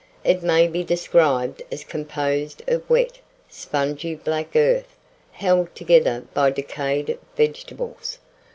It may be described as composed of wet, spongy black earth, held together by decayed vegetables.